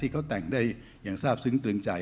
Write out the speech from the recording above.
เขาแต่งได้อย่างทราบซึ้งตรึงใจ